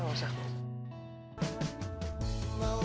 gak usah gak usah